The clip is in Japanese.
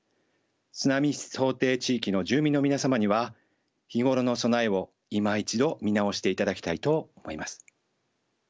津波想定地域の住民の皆様には日頃の備えをいま一度見直していただきたいと思います。